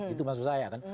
itu maksud saya kan